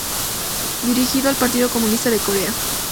Dirigente del Partido Comunista de Corea.